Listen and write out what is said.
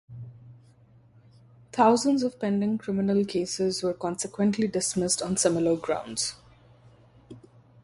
Thousands of pending criminal cases were consequently dismissed on similar grounds.